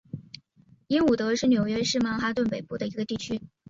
英伍德是纽约市曼哈顿北部的一个地区。